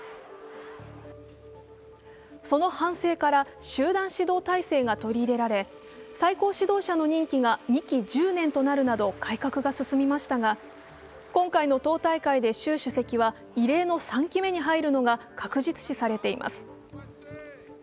その反省から集団指導体制が取り入れられ、最高指導者の任期が２期１０年となるなど改革が進みましたが今回の党大会で習主席は異例の３期目に入るのが確実視されています。